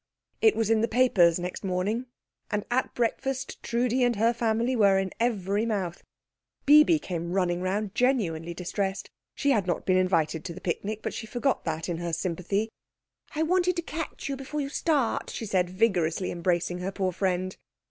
It was in the papers next morning, and at breakfast Trudi and her family were in every mouth. Bibi came running round, genuinely distressed. She had not been invited to the picnic, but she forgot that in her sympathy. "I wanted to catch you before you start," she said, vigorously embracing her poor friend.